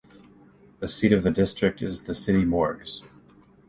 The seat of the district is the city of Morges.